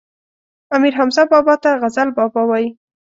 امير حمزه بابا ته غزل بابا وايي